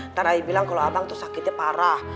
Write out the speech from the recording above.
ntar ayah bilang kalau abang itu sakitnya parah